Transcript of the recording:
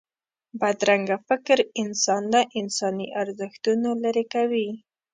بدرنګه فکر انسان له انساني ارزښتونو لرې کوي